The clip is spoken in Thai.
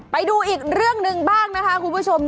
ไปดูอีกเรื่องหนึ่งบ้างนะคะคุณผู้ชม